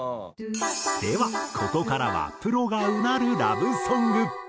ではここからはプロが唸るラブソング。